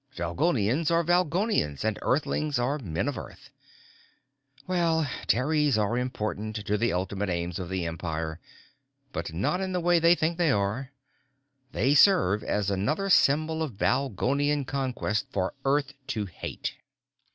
Valgolians are Valgolians and Earthlings are men of Earth. Well, Terries are important to the ultimate aims of the Empire, but not in the way they think they are. They serve as another symbol of Valgolian conquest for Earth to hate.